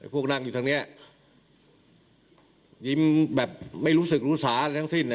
พวกนั่งอยู่ทางนี้ยิ้มแบบไม่รู้สึกรู้สาอะไรทั้งสิ้น